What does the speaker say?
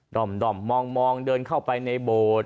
ด่อมมองเดินเข้าไปในโบสถ์